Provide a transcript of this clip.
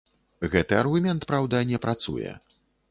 Гэты аргумент, праўда, не працуе.